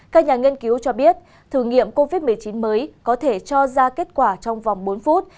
các nhà nghiên cứu cho biết thử nghiệm covid một mươi chín mới có thể cho ra kết quả trong vòng bốn phút